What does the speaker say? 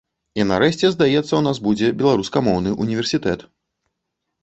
І, нарэшце, здаецца, у нас будзе беларускамоўны універсітэт.